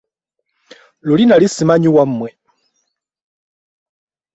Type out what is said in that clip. Luli nali simanyi wamwe.